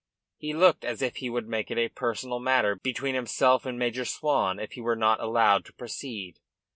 He looked as if he would make it a personal matter between himself and Major Swan if he were not allowed to proceed.